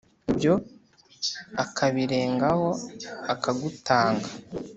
Ibyo akabirengaho akagutanga